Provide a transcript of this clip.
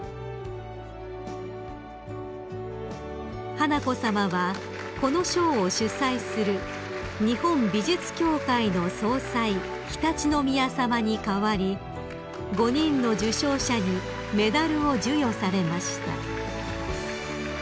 ［華子さまはこの賞を主催する日本美術協会の総裁常陸宮さまに代わり５人の受賞者にメダルを授与されました］